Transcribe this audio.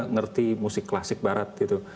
ngerti musik klasik barat